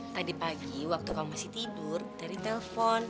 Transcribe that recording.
tadi pagi waktu kamu masih tidur dari telpon